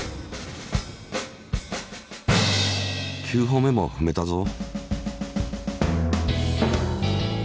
９歩目もふめたぞ。